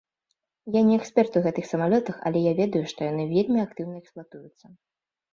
Я не эксперт у гэтых самалётах, але я ведаю, што яны вельмі актыўна эксплуатуюцца.